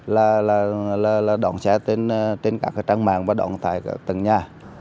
là đoàn xe trên các trang mạng và đoàn tài tầng nhà